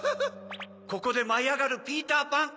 ここでまいあがるピーターパン。